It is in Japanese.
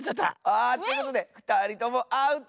あということでふたりともアウト！